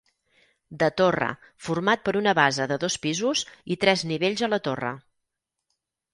De torre, format per una base de dos pisos i tres nivells a la torre.